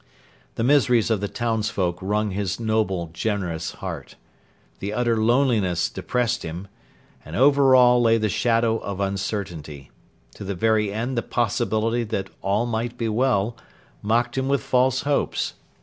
The miseries of the townsfolk wrung his noble, generous heart. The utter loneliness depressed him. And over all lay the shadow of uncertainty. To the very end the possibility that 'all might be well' mocked him with false hopes.